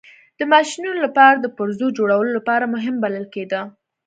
د ماشینونو لپاره د پرزو جوړولو لپاره مهم بلل کېده.